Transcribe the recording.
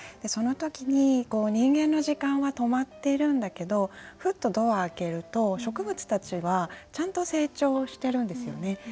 その時に人間の時間は止まってるんだけどふとドアを開けると植物たちはちゃんと成長してるんですよね。